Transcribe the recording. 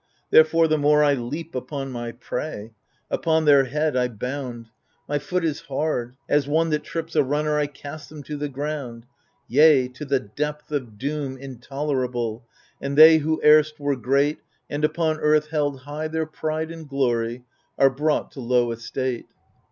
Therefore the more I leap upon my prey ; Upon their head I bound ; My foot is hard ; as one that trips a mnner I cast them to the ground ; Yea, to the depth of doom intolerable ; And they who erst were great, And upon earth held high their pride and glory, Are brought to low estate.